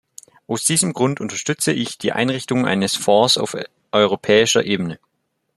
Aus diesem Grund unterstütze ich die Einrichtung eines Fonds auf europäischer Ebene.